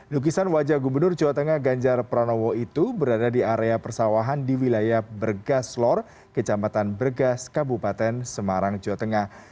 lukisan wajah gubernur jawa tengah ganjar pranowo itu berada di area persawahan di wilayah bergaslor kecamatan bergas kabupaten semarang jawa tengah